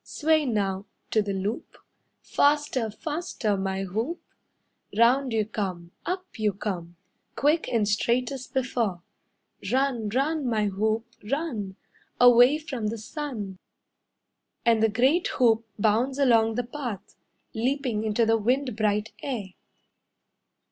Sway now to the loop, Faster, faster, my hoop. Round you come, Up you come, Quick and straight as before. Run, run, my hoop, run, Away from the sun." And the great hoop bounds along the path, Leaping into the wind bright air.